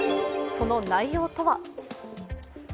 その内容とは。